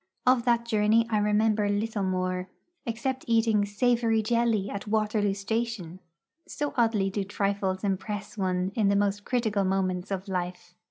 Of that journey I remember little more, except eating savoury jelly at Waterloo Station so oddly do trifles impress one in the most critical moments of life.